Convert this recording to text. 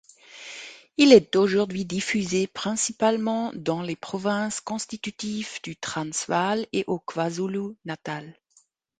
Il est aujourd'hui diffusé principalement dans les provinces constitutives du Transvaal et au KwaZulu-Natal.